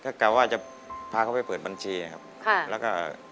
ก็กลัวว่าจะพาเขาไปเปิดบัญชีครับ